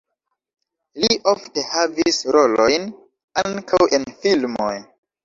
Li ofte havis rolojn ankaŭ en filmoj.